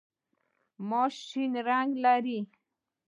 ماش شین رنګ لري.